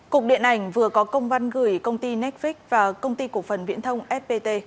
cục điện ảnh vừa có công văn gửi công ty netflix và công ty cổ phần viễn thông fpt